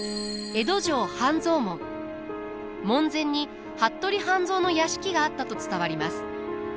門前に服部半蔵の屋敷があったと伝わります。